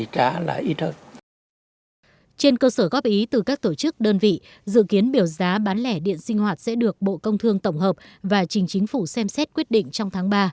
trên cơ sở góp ý từ các tổ chức đơn vị dự kiến biểu giá bán lẻ điện sinh hoạt sẽ được bộ công thương tổng hợp và trình chính phủ xem xét quyết định trong tháng ba